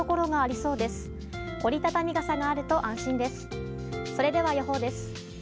それでは予報です。